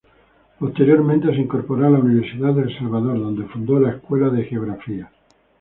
Posteriormente se incorporó a la Universidad del Salvador, donde fundó la Escuela de Geografía.